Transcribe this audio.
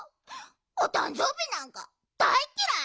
おたんじょうびなんかだいっきらい！